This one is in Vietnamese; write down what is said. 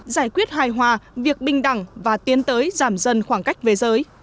giải quyết hài hòa việc bình đẳng và tiến tới giảm dần khoảng cách về giới